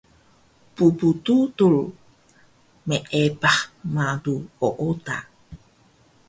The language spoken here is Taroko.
ppdudul meepah malu ooda